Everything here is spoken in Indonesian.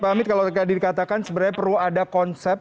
pak amit kalau tadi dikatakan sebenarnya perlu ada konsep